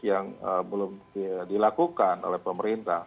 yang belum dilakukan oleh pemerintah